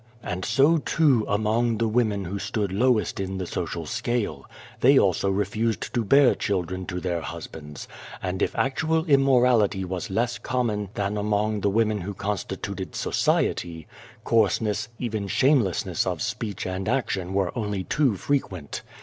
" And so too, among the women who stood lowest in the social scale. They also refused to bear children to their husbands; and if actual immorality was less common than among the women who constituted ' society ' coarseness, even shamelessness of speech and action were only too frequent.